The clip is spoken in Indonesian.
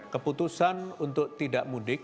keputusan untuk tidak mudik